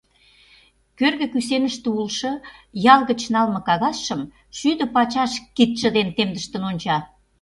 Кӧргӧ кӱсеныште улшо ял гыч налме кагазшым шӱдӧ пачаш кидше дене темдыштын онча...